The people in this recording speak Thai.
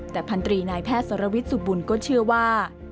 แต่พันตรีนายแพทย์สรวิทย์สุบุญก็เชื่อว่า